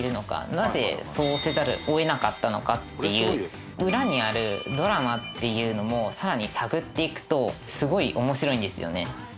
なぜそうせざるを得なかったのかっていう裏にあるドラマっていうのもさらに探っていくとすごい面白いんですよね。